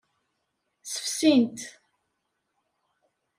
Ssefsin-t.